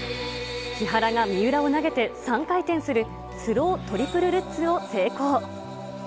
木原が三浦を投げて３回転するスロートリプルルッツを成功。